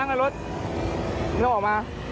นี่เขาออกมา